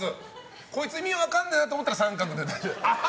こいつ意味分かんねえなと思ったら△で大丈夫。